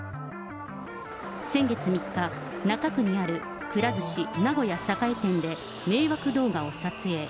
先月３日、中区にあるくら寿司名古屋栄店で迷惑動画を撮影。